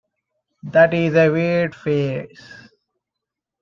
That is a weird phrase.